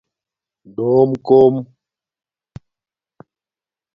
ڈݸم کُوم